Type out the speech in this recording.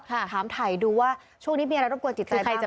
ถามถ่ายดูว่าช่วงนี้มีอะไรต้องกลัวจิตใจบ้างหรือเปล่า